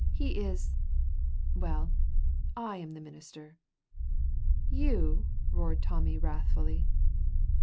"He is well, I am the minister." "You!" roared Tommy, wrathfully.